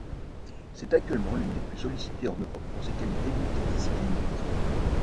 C'est actuellement l’une des plus sollicitées en Europe pour ses qualités multidisciplinaires.